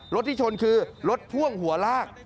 รถที่ชนคือรถพ่วงหัวลาก